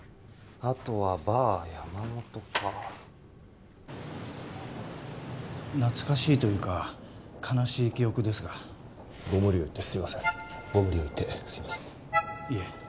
あとはバー山本か懐かしいというか悲しい記憶ですがご無理を言ってすいませんご無理を言ってすいませんいえ